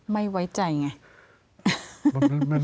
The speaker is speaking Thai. ไม่ไว้ใจไง